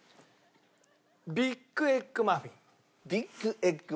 ビッグエッグマフィン。